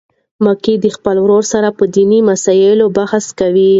میکا د خپل ورور سره په دیني مسلو بحث کوي.